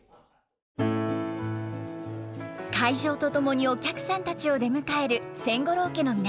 開場とともにお客さんたちを出迎える千五郎家の皆さん。